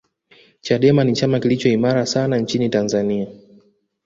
chadema ni chama kilicho imara sana nchini tanzania